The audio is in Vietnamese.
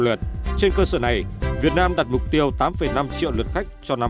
lượt trên cơ sở này việt nam đạt mục tiêu tám năm triệu lượt khách cho năm hai nghìn một mươi sáu